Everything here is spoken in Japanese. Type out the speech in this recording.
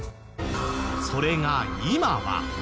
それが今は。